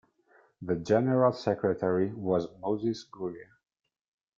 The general secretary was Moses Guria.